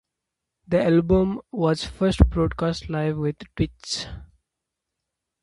The album was first broadcast live via Twitch.